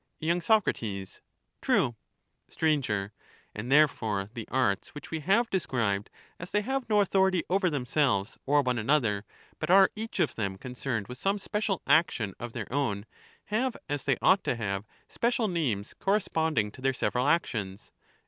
y. Soc. True. Sir. And, therefore, the arts which we have described, as they have no authority over themselves or one another, but are each of them concerned with some special action of their own, have, as they ought to have, special names corresponding to their several actions.